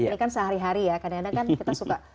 ini kan sehari hari ya kadang kadang kan kita suka